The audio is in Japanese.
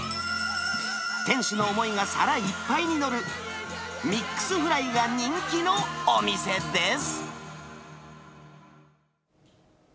店主の思いが皿いっぱいに載る、ミックスフライが人気のお店です。